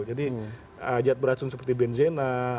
jadi jad beracun seperti benzena